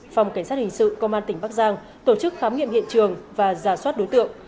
phòng cảnh sát hình sự công an tỉnh bắc giang tổ chức khám nghiệm hiện trường và giả soát đối tượng